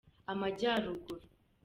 amajyaruguru.